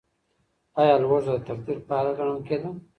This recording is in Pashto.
ايا لوږه د تقدير پايله ګڼل کيده؟